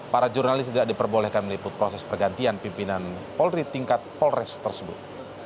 para jurnalis tidak diperbolehkan meliput proses pergantian pimpinan polri tingkat polres tersebut